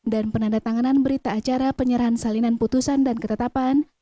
dan penandatanganan berita acara penyerahan salinan putusan dan ketetapan